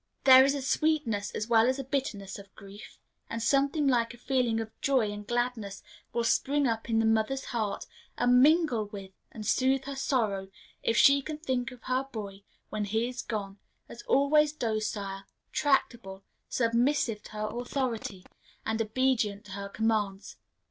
There is a sweetness as well as a bitterness of grief; and something like a feeling of joy and gladness will spring up in the mother's heart, and mingle with and soothe her sorrow, if she can think of her boy, when he is gone, as always docile, tractable, submissive to her authority, and obedient to her commands.